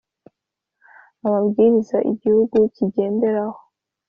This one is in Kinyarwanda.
amabwiriza igihugu kigenderaho